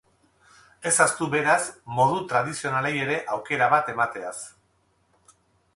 Ez ahaztu, beraz, modu tradizionalei ere aukera bat emateaz!